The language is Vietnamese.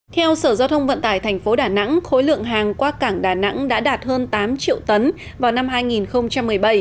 theo sở giao thông vận tải tp đà nẵng khối lượng hàng qua cảng đà nẵng đã đạt hơn tám triệu tấn vào năm hai nghìn một mươi bảy